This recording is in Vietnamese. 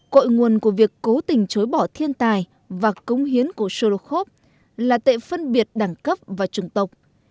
cội nguồn của việc cố tình chối bỏ thiên tài và cống hiến của solokhov là tệ phân biệt đẳng cấp và trùng tộc